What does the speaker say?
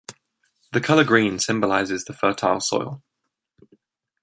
The colour green symbolises the fertile soil.